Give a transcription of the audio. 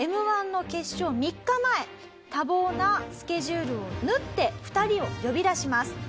Ｍ−１の決勝３日前多忙なスケジュールを縫って２人を呼び出します。